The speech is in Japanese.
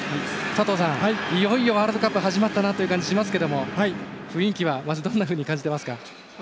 佐藤さん、いよいよワールドカップ始まったという感じがしますが雰囲気はどんなふうに感じていますか。